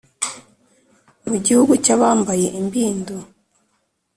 mu gihugu cyabambaye imbindo